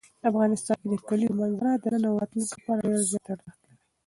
افغانستان کې د کلیزو منظره د نن او راتلونکي لپاره ډېر زیات ارزښت لري.